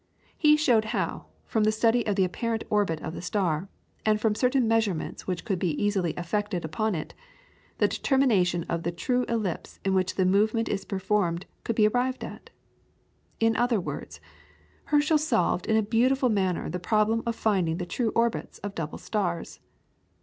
He showed how, from the study of the apparent orbit of the star, and from certain measurements which could easily be effected upon it, the determination of the true ellipse in which the movement is performed could be arrived at. In other words, Herschel solved in a beautiful manner the problem of finding the true orbits of double stars.